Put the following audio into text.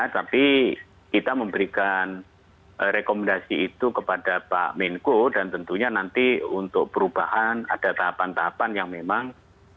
tapi kita memberikan rekomendasi itu kepada pak menko dan tentunya nanti untuk perubahan ada tahapan tahapan yang memang